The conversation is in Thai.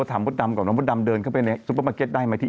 รับส่งกันใดนะ